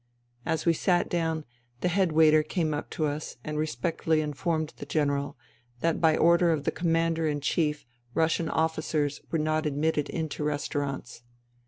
As we sat down, the head waiter came up to us and respectfully informed the General that by order of the Commander in Chief Russian officers were not admitted into restau rants.